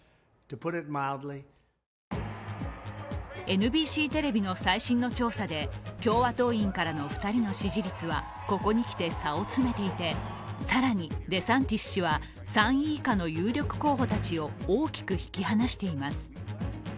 ＮＢＣテレビの最新の調査で共和党員からの２人の支持率はここにきて差を詰めていて更にデサンティス氏は、３位以下の有力候補たちを大きく引き離しています。